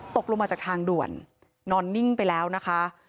ตกลงมาจากทางด่วนนอนนิ่งไปแล้วนะคะ